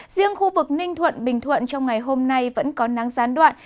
riêng khu vực ninh thuận bình thuận trong ngày hôm nay vẫn có nắng gián đoạn